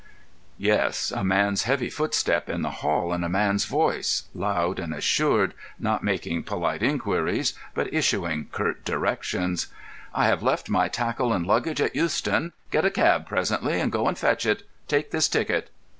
Yes, a man's heavy footstep in the hall, and a man's voice—loud and assured, not making polite inquiries, but issuing curt directions. "I have left my tackle and luggage at Euston. Get a cab presently and go and fetch it. Take this ticket."